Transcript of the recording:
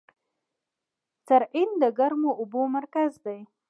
سرعین د ګرمو اوبو مرکز دی.